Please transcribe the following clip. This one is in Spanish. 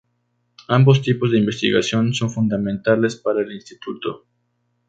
Ambos tipos de investigación son fundamentales para el Instituto.